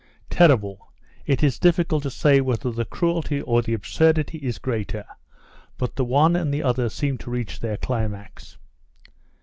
"Terrible! It is difficult to say whether the cruelty or the absurdity is greater, but the one and the other seem to reach their climax."